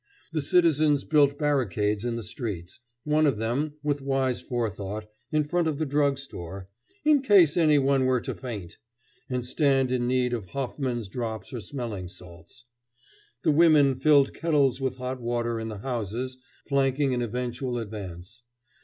The citizens built barricades in the streets one of them, with wise forethought, in front of the drug store, "in case any one were to faint" and stand in need of Hoffman's drops or smelling salts. The women filled kettles with hot water in the houses flanking an eventual advance.